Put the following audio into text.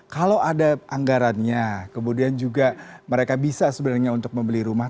kalau ada anggarannya kemudian juga mereka bisa sebenarnya untuk membeli rumah